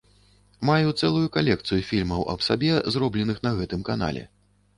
Маю цэлую калекцыю фільмаў аб сабе, зробленых на гэтым канале.